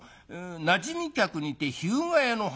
なじみ客にて日向屋の半七』。